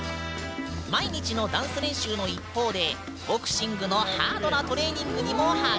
毎日のダンス練習の一方でボクシングのハードなトレーニングにも励んでいるんだ。